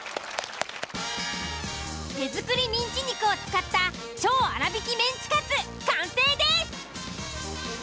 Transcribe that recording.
手作りミンチ肉を使った超粗挽きメンチカツ完成です！